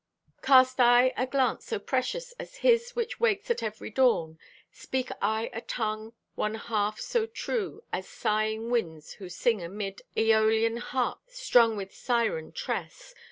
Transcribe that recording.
Cast I a glance so precious as His Which wakes at every dawn? Speak I a tongue one half so true As sighing winds who sing amid Aeolian harps strung with siren tress?